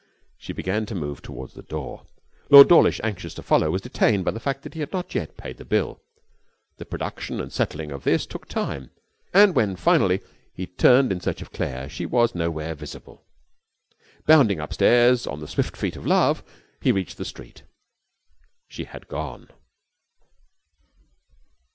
She began to move towards the door. Lord Dawlish, anxious to follow, was detained by the fact that he had not yet paid the bill. The production and settling of this took time, and when finally he turned in search of Claire she was nowhere visible. Bounding upstairs on the swift feet of love, he reached the street. She had gone.